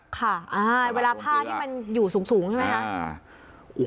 ค่ะเวลาผ้าที่มันอยู่สูงใช่ไหมคะ